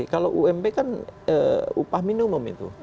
kalau ump kan upah minimum itu